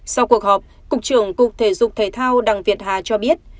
sau cuộc họp cục trưởng cục thể dục thể thao đặng việt hà cho biết